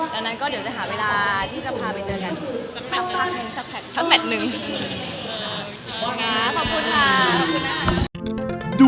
ดังนั้นก็เดี๋ยวจะหาเวลาที่จะพาไปเจอกัน